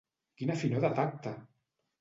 Quina finor de tacte!